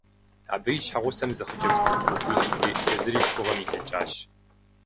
Абы и щхьэгъусэм зы хъыджэбз цӀыкӀу къыхуилъхури езыри лъхугъэм илӀыкӀащ.